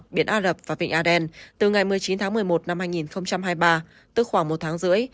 biển á rập và vịnh a đen từ ngày một mươi chín tháng một mươi một năm hai nghìn hai mươi ba tức khoảng một tháng rưỡi